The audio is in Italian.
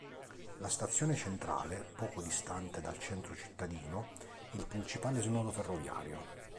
La Stazione Centrale, poco distante dal centro cittadino, è il principale snodo ferroviario.